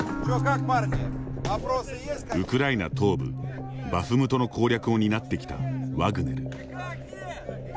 ウクライナ東部バフムトの攻略を担ってきたワグネル。